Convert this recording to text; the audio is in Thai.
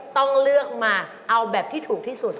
ต้องเลือกมาเอาแบบที่ถูกที่สุด